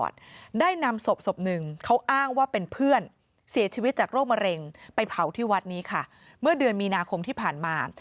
ได้นำศพ๑เขาอ้างว่าเป็นเพื่อนเสียชีวิตจากโรคมันเร็งไปเผาที่วัดนี้ค่ะเมื่อเดือนมีนาคมที่ผ่านมา